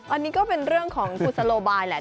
อันนี้ก็เป็นเรื่องของกุศโลบายแหละ